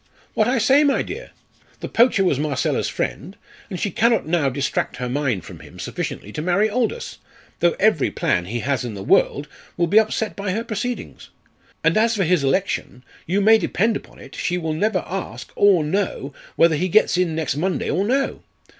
"What I say, my dear. The poacher was Marcella's friend, and she cannot now distract her mind from him sufficiently to marry Aldous, though every plan he has in the world will be upset by her proceedings. And as for his election, you may depend upon it she will never ask or know whether he gets in next Monday or no.